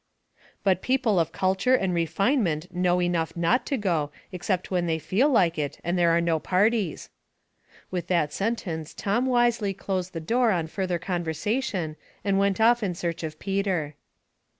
" But people of culture and refinement know enough not to go, except when they feel like it, and there are no parties." With that sentence Tom wisely closed the door on further conversation, and went off in search of Peter.